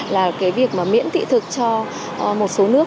là việc miễn tị thực cho một số nước